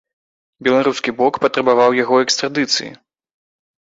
Беларускі бок патрабаваў яго экстрадыцыі.